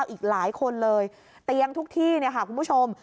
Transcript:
อีกหลายคนเลยเตียงทุกที่เนี่ยค่ะคุณผู้ชม